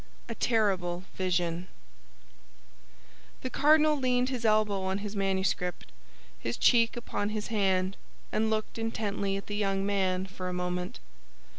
A TERRIBLE VISION The cardinal leaned his elbow on his manuscript, his cheek upon his hand, and looked intently at the young man for a moment.